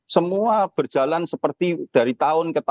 semua berjalan seperti dari tahun